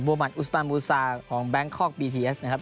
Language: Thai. บัวหมัดอุสบันบุรุษาของแบงค์คอล์กบีทีเอสนะครับ